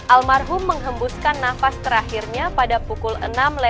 almarhum menghembuskan nafas terakhirnya pada pukul enam lewat tiga puluh delapan pagi tadi